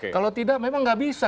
kalau tidak memang nggak bisa